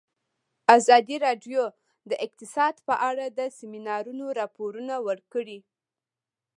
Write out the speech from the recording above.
ازادي راډیو د اقتصاد په اړه د سیمینارونو راپورونه ورکړي.